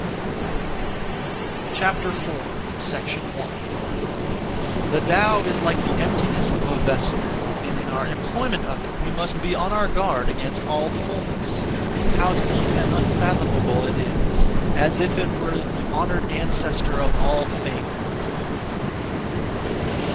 4. 1. The Tao is (like) the emptiness of a vessel; and in our employment of it we must be on our guard against all fulness. How deep and unfathomable it is, as if it were the Honoured Ancestor of all things!